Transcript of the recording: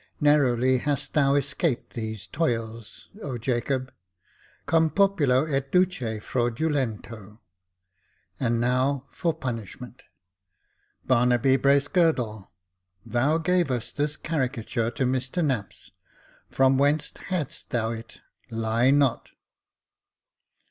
Narrowly hast thou escaped these toils, O Jacob — Cutn populo et duce fraudulento. And now for punishment. Barnaby Bracegirdle, thou gavest this caricature to Mr Knapps ; from whence hadst thou it ? Lie not."